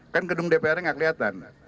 kan gedung dpr nya nggak kelihatan